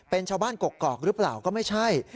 เป็นชาวบ้านกกอกหรือเปล่าก็ไม่ใช่